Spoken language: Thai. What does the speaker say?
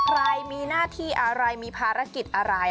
ใครมีหน้าที่อะไรมีภารกิจอะไร